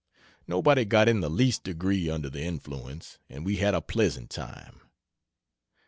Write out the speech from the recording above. Nobody got in the least degree "under the influence," and we had a pleasant time.